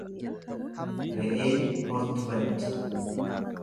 Re'een hortu baddi.